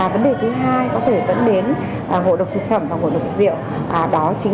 vấn đề thứ hai có thể dẫn đến ngộ độc thực phẩm và ngộ độc rượu